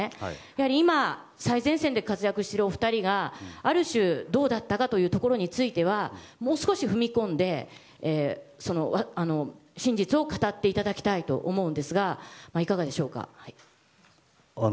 やはり今、最前線で活躍しているお二人が、ある種どうだったかというところについてはもう少し踏み込んで真実を語っていただきたいと思うのですがいかがでしょうか。